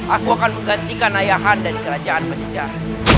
aku akan menggantikan ayahan dan kerajaan pencejar